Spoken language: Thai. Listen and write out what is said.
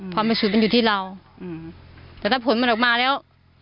บริสุทธิมันอยู่ที่เราแต่ถ้าผลมันออกมาแล้ว